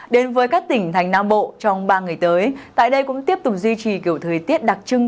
đến với các tỉnh thành nam bộ trong ba ngày tới tại đây cũng tiếp tục duy trì kiểu thời tiết đặc trưng